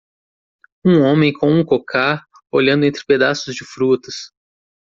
Um homem com um cocar olhando entre pedaços de frutas.